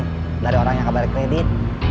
belah ada orang yang gak balik kredit